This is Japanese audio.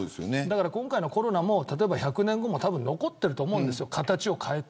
今回のコロナも、１００年後残っていると思うんです形を変えて。